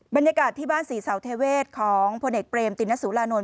บรรยากาศที่บ้านศรีเสาเทเวศของพลเอกเปรมตินสุรานนท